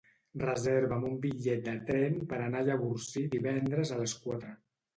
Reserva'm un bitllet de tren per anar a Llavorsí divendres a les quatre.